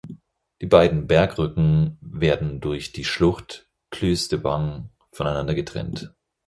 Die beiden Bergrücken werden durch die Schlucht "Cluse de Bange" voneinander getrennt.